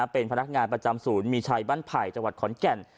เป็นพนักงานประจำศูนย์มีชัยบ้านไผ่จังหวัดขอนแก่น